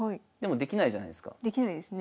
できないですね。